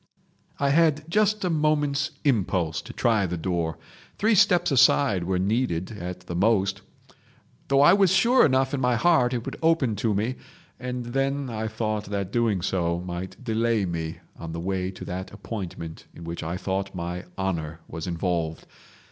"I had just a moment's impulse to try the door, three steps aside were needed at the most—though I was sure enough in my heart that it would open to me—and then I thought that doing so might delay me on the way to that appointment in which I thought my honour was involved.